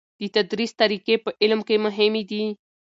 د تدریس طریقی په علم کې مهمې دي.